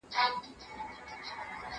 هغه څوک چي زدکړه کوي پوهه زياتوي!!